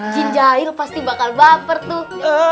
jin jahil pasti bakal baper tuh